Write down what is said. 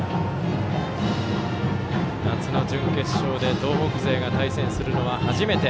夏の準決勝で東北勢が対戦するのは初めて。